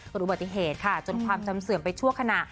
อุบัติเหตุค่ะจนความจำเสื่อมไปชั่วขณะ